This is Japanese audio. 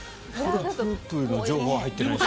フラフープの情報は入っていないです。